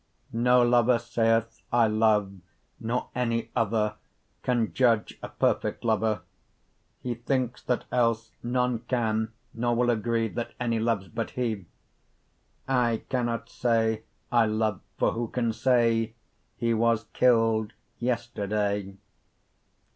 _ No Lover saith, I love, nor any other Can judge a perfect Lover; Hee thinkes that else none can, nor will agree That any loves but hee: I cannot say I lov'd, for who can say 5 Hee was kill'd yesterday?